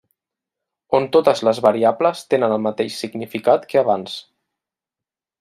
On totes les variables tenen el mateix significat que abans.